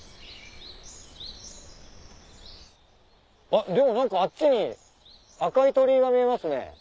あっでも何かあっちに赤い鳥居が見えますね。